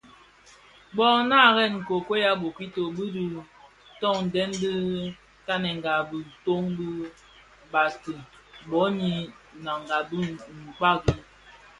Bō narèn nkokuei a bokito bi dhi tondèn bi tanènga bitoň bi Bati (boni Nanga) bi Kpagi.